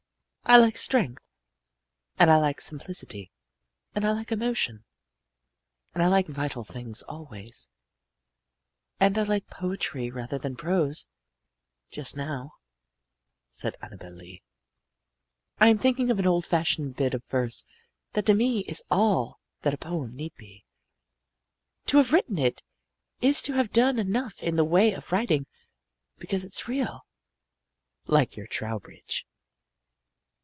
"I like strength, and I like simplicity, and I like emotion, and I like vital things always. And I like poetry rather than prose. Just now," said Annabel Lee, "I am thinking of an old fashioned bit of verse that to me is all that a poem need be. To have written it is to have done enough in the way of writing, because it's real like your Trowbridge."